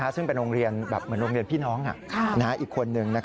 ซึ่งเป็นโรงเรียนเหมือนโรงเรียนพี่น้องอีกคนนึง